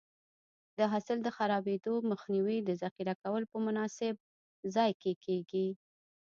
د حاصل د خرابېدو مخنیوی د ذخیره کولو په مناسب ځای کې کېږي.